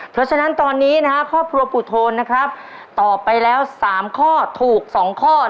เพราะฉะนั้นตอนนี้นะครับครอบครัวปู่โทนนะครับตอบไปแล้ว๓ข้อถูก๒ข้อ